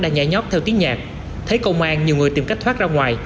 đã nhảy nhóc theo tiếng nhạc thấy công an nhiều người tìm cách thoát ra ngoài